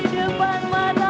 sakitnya ku disini